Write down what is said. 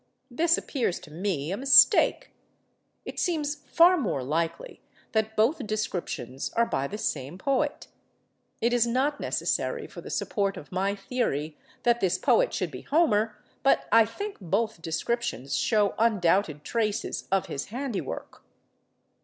This appears to me a mistake. It seems far more likely that both descriptions are by the same poet. It is not necessary for the support of my theory that this poet should be Homer, but I think both descriptions show undoubted traces of his handiwork.